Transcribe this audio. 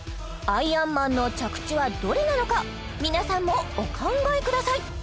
アイアンマンの着地はどれなのか皆さんもお考えください